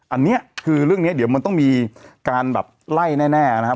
อันนี้คือเรื่องนี้เดี๋ยวมันต้องมีการแบบไล่แน่นะครับ